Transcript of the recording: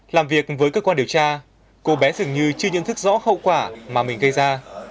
làm việc với cơ quan điều tra cô bé dường như chưa nhận thức rõ hậu quả mà mình gây ra